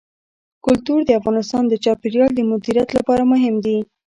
کلتور د افغانستان د چاپیریال د مدیریت لپاره مهم دي.